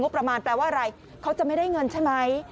ประมาณแปลว่าอะไรเขาจะไม่ได้เงินใช่ไหม